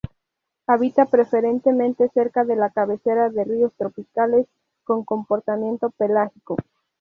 Habita preferentemente cerca de la cabecera de ríos tropicales, con comportamiento pelágico.